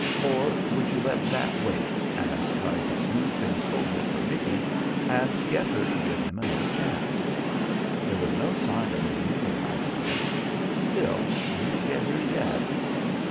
Or would you let that wait, and try to smooth things over for Micky, and get her to give him another chance? There was no sign of his moving last night; still, he may get here yet."